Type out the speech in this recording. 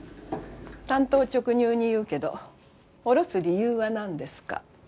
単刀直入に言うけどおろす理由はなんですか？